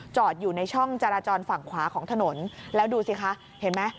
อยู่ในช่องจราจรฝั่งขวาของถนนแล้วดูสิคะเห็นไหม